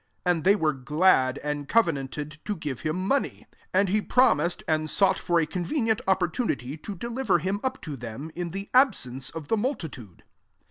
5 And they were glad, and co venanted to give him money. 6 And he promised, and sought for a convenient opportunity to deliver him up to them, in the absence of the multitude.